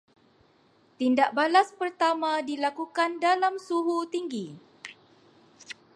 Tindak balas pertama dilakukan dalam suhu tinggi